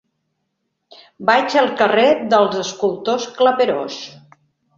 Vaig al carrer dels Escultors Claperós.